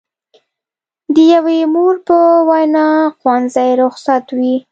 د یوې مور په وینا ښوونځي رخصت وي.